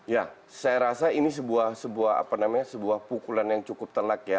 ya saya rasa ini sebuah apa namanya sebuah pukulan yang cukup telak ya